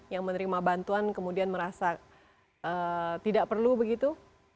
yang menerima bantuan kemudian merasa tidak perlu begitu